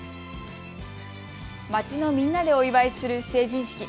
街のみんなでお祝いする成人式。